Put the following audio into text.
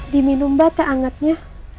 diminum mbak teh angetnya